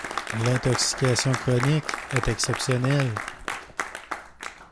L'intoxication chronique est exceptionnelle.